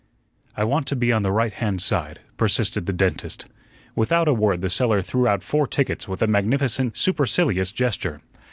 "I want to be on the right hand side," persisted the dentist. Without a word the seller threw out four tickets with a magnificent, supercilious gesture.